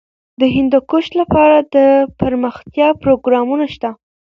د هندوکش لپاره دپرمختیا پروګرامونه شته.